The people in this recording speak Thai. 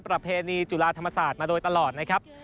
ประเพณีจุฬาธรรมศาสตร์มาโดยตลอดนะครับ